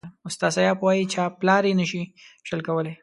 استاد سياف وایي چاپلاري نشي شل کولای.